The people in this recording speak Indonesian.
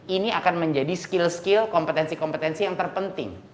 ini akan menjadi skill skill kompetensi kompetensi yang terpenting